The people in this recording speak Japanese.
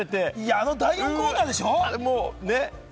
あの第４クオーターでしょ？